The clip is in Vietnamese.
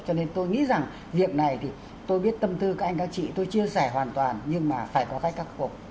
cho nên tôi nghĩ rằng việc này thì tôi biết tâm tư các anh các chị tôi chia sẻ hoàn toàn nhưng mà phải có cách cắt phục